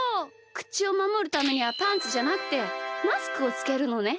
くちをまもるためにはパンツじゃなくてマスクをつけるのね。